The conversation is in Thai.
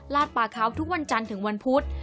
ป่าเขาทุกวันจันทร์ถึงวันพุธ